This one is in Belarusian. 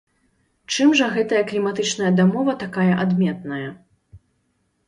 Чым жа гэтая кліматычная дамова такая адметная?